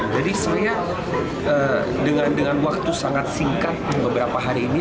jadi saya dengan waktu sangat singkat beberapa hari ini